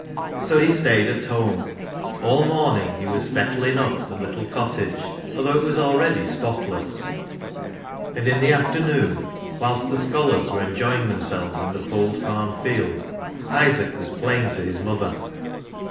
So he stayed at home. All morning he was " fettlin' up " the little cottage, although it was already spotless, and in the afternoon, whilst the scholars were enjoying themselves in the Fold Farm field, Isaac was playing to his mother.